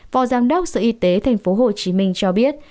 phó giám đốc sở y tế tp hcm cho biết